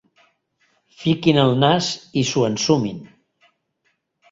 Fiquin el nas i s'ho ensumin.